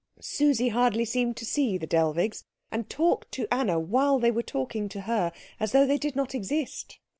Susie hardly seemed to see the Dellwigs, and talked to Anna while they were talking to her as though they did not exist.